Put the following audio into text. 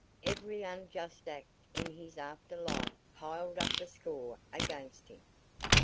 Every unjust act in his after life piled up the score against him.